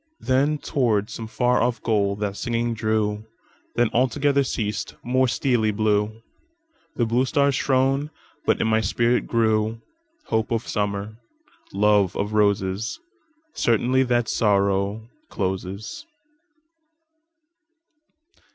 Then toward some far off goal that singing drew; Then altogether ceas'd; more steely blueThe blue stars shone; but in my spirit grewHope of Summer, love of Roses, Certainty that Sorrow closes.